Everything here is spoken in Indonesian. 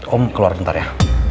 om keluar bentar ya